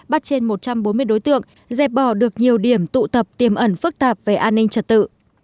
bắt trên một trăm bốn mươi đối tượng dẹp bỏ được nhiều điểm tụ tập tiềm ẩn phức tạp về an ninh trật tự